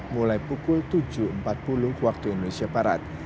mulai pukul tujuh empat puluh waktu indonesia barat